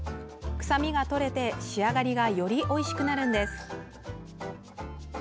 臭みが取れて仕上がりがよりおいしくなるんです。